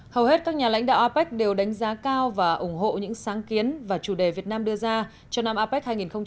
hầu hết các nhà lãnh đạo apec đều đánh giá cao và ủng hộ những sáng kiến và chủ đề việt nam đưa ra cho năm apec hai nghìn hai mươi